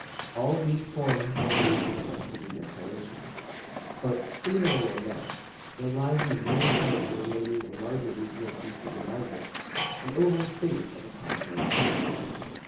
All these form one region of westerly declination; but, singularly enough, there lies in the very heart of the remaining and larger region of easterly magnets an oval space of a contrary character.